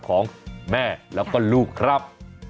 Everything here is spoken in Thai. ของแม่แล้วก็ลูกครับ